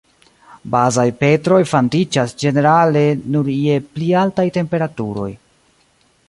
Bazaj petroj fandiĝas ĝenerale nur je pli altaj temperaturoj.